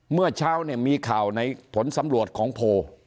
เมื่อเช้าเนี่ยมีข่าวในผลสำรวจของโพล